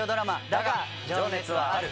『だが、情熱はある』。